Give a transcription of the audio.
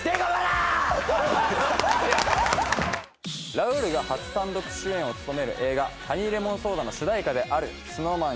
ラウールが初単独主演を務める映画『ハニーレモンソーダ』の主題歌であるＳｎｏｗＭａｎ